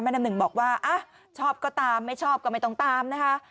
น้ำหนึ่งบอกว่าชอบก็ตามไม่ชอบก็ไม่ต้องตามนะคะ